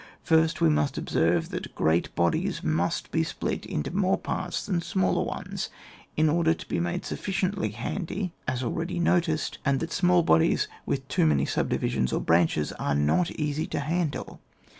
First we must observe, that great bodies must be split into more parts &an smaller ones, in order to be made sufficiently handy (as already noticed), and that small bodies with too many subdivisions or branches are not easy to handle.